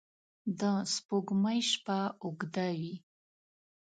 د سپوږمۍ شپه اوږده وي